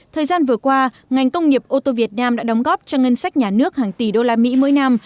thời gian vừa qua ngành công nghiệp ô tô việt nam đã đóng góp cho ngân sách nhà nước hàng tỷ đô la mỹ mỗi năm